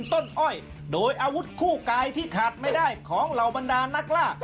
อ้อยโดยอาวุธคู่กายที่ขาดไม่ได้ของเหล่าบรรดานักล่า